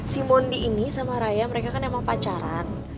si mondi ini sama raya mereka kan emang pacaran